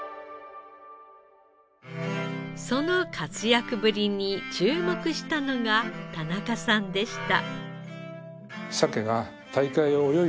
その活躍ぶりに注目したのが田中さんでした。